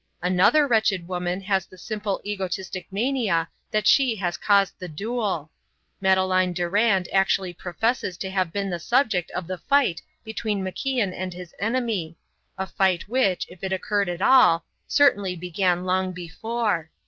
Another wretched woman has the simple egotistic mania that she has caused the duel. Madeleine Durand actually professes to have been the subject of the fight between MacIan and his enemy, a fight which, if it occurred at all, certainly began long before.